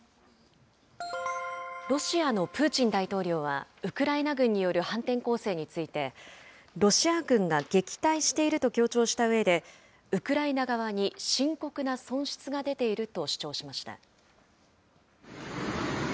ロシアのプーチン大統領は、ウクライナ軍による反転攻勢について、ロシア軍が撃退していると強調したうえで、ウクライナ側に深刻な損失が出ていると主張しました。